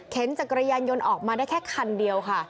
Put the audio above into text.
จักรยานยนต์ออกมาได้แค่คันเดียวค่ะ